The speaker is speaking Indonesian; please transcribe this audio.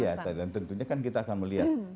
ya dan tentunya kan kita akan melihat